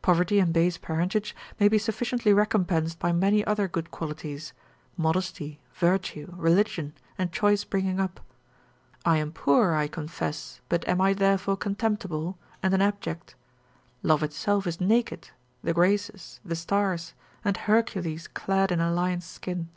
Poverty and base parentage may be sufficiently recompensed by many other good qualities, modesty, virtue, religion, and choice bringing up, I am poor, I confess, but am I therefore contemptible, and an abject? Love itself is naked, the graces; the stars, and Hercules clad in a lion's skin.